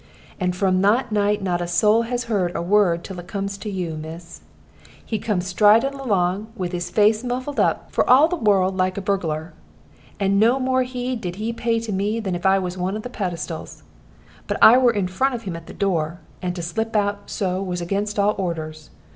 And from that night not a soul has heard a word till it comes to you, miss. He come striding along, with his face muffled up, for all the world like a bugglar, and no more heed did he pay to me than if I was one of the pedestals. But I were in front of him at the door, and to slip out so was against all orders.